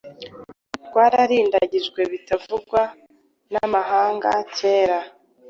Twararindagijwe bitavugwa namahanga cyera